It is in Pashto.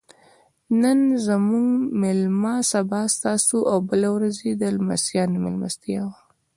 نن زموږ میلمه سبا ستاسې او بله ورځ یې د لمسیانو میلمستیا وه.